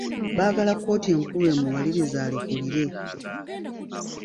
Baagala kkooti enkulu emuwalirize alekulire.